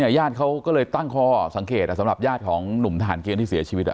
ญาติเขาก็เลยตั้งข้อสังเกตสำหรับญาติของหนุ่มทหารเกณฑ์ที่เสียชีวิต